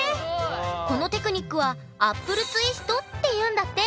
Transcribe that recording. このテクニックはアップルツイストっていうんだって！